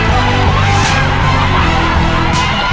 สุสัยเลย